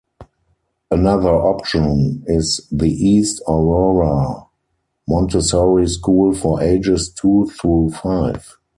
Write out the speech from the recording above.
Another option is the East Aurora Montessori School for ages two through five.